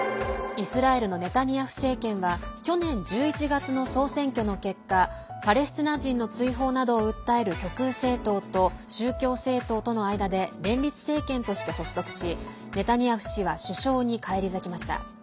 イスラエルのネタニヤフ政権は去年１１月の総選挙の結果パレスチナ人の追放などを訴える極右政党と宗教政党との間で連立政権として発足しネタニヤフ氏は首相に返り咲きました。